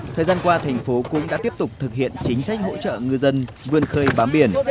thời gian qua thành phố cũng đã tiếp tục thực hiện chính sách hỗ trợ ngư dân vươn khơi bám biển